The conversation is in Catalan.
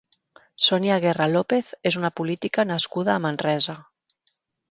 Sonia Guerra López és una política nascuda a Manresa.